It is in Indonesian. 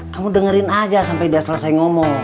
kamu dengerin aja sampai dia selesai ngomong